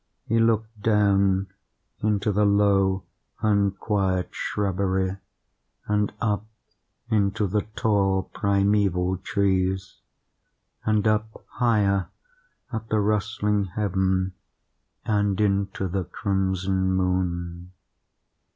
He looked down into the low unquiet shrubbery, and up into the tall primeval trees, and up higher at the rustling heaven, and into the crimson moon.